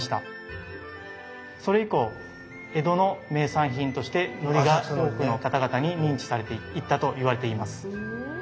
それ以降江戸の名産品としてのりが多くの方々に認知されていったと言われています。